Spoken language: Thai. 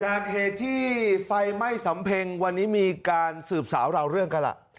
เหตุที่ไฟไหม้สำเพ็งวันนี้มีการสืบสาวเราเรื่องกันล่ะ